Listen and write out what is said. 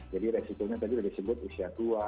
jadi resitonya tadi sudah disebut usia tua